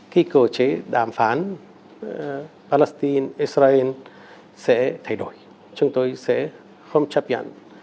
khi cơ chế đàm phán palestine israel sẽ thay đổi chúng tôi sẽ không chấp nhận